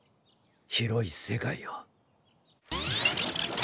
広い世界を。